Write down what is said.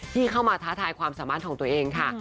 ที่เข้ามาท้าทายความสามารถของตัวเองค่ะ